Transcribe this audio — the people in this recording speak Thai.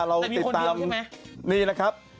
เราติดตามนี่นะครับ